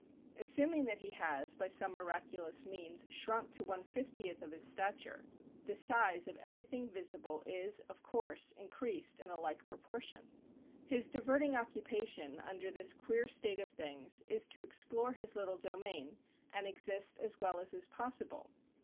Assuming that he has, by some miraculous means shrunk to one fiftieth of his stature, the size of everything visible is, of course, increased in a like proportion. His diverting occupation, under this queer state of things, is to explore his little domain, and exist as well as is possible.